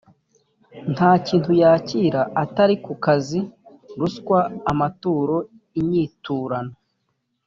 nta kintu yakira atari ku kazi ruswa amaturo inyiturano